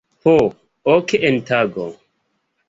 Po ok en tago.